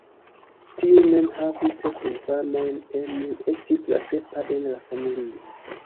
Tiu mem havis ses infanojn, Emil estis la sepa en la familio.